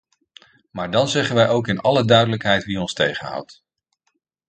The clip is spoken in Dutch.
Maar dan zeggen wij ook in alle duidelijkheid wie ons tegenhoudt.